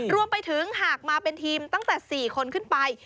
รวมไปถึงหากมาเป็นทีมตั้งแต่๔คนขึ้นไป